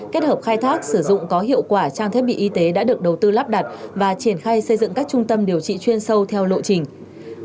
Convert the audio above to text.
kết hợp khai thác sử dụng có hiệu quả trang thiết bị y tế đã được đầu tư lắp đặt và triển khai xây dựng các trung tâm điều trị chuyên sâu theo lộ trình